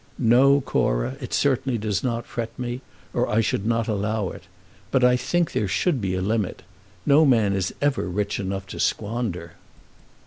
"No, Cora; it certainly does not fret me, or I should not allow it. But I think there should be a limit. No man is ever rich enough to squander."